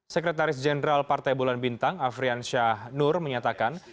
sekretaris jenderal partai bulan bintang afriansyah nur menyatakan